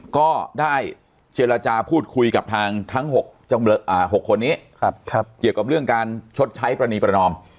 ก็ได้เจรจาพูดคุยกับทางทั้ง๖คนนี้เกี่ยวกับเรื่องการชดใช้ปรณีประนอม